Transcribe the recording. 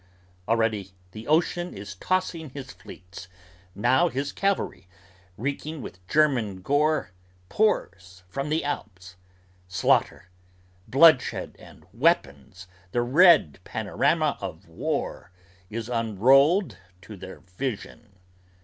Already, the ocean Is tossing his fleets! Now his cavalry, reeking with German Gore, pours from the Alps! Slaughter, bloodshed, and weapons The red panorama of war is unrolled to their vision!